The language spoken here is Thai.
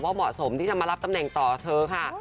เหมาะสมที่จะมารับตำแหน่งต่อเธอค่ะ